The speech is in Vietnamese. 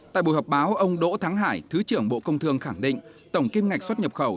tại buổi họp báo ông đỗ thắng hải thứ trưởng bộ công thương khẳng định tổng kim ngạch xuất nhập khẩu